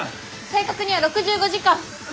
正確には６５時間！